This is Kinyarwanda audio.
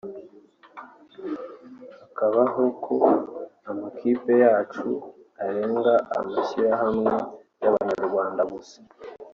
Hakabaho ko amakipe yacu arenga amashyirahamwe y’abanyarwanda gusa